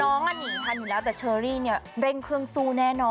น้องน่าหนีถังอยู่แล้วแต่เชอรี่เร่งเครื่องสู้แน่นอน